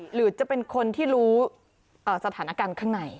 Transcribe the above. หรือจะเป็นคนที่รู้สถานการณ์ข้างใน